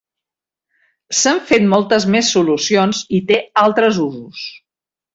S'han fet moltes més solucions i té altres usos.